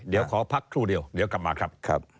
เดี๋ยวขอพักครู่เดียวเดี๋ยวกลับมาครับ